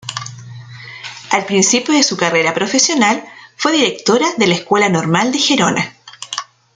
Al principio de su carrera profesional fue directora de la Escuela Normal de Gerona.